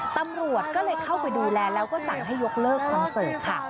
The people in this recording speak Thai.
ตำรวจก็เลยเข้าไปดูแลแล้วก็สั่งให้ยกเลิกคอนเสิร์ตค่ะ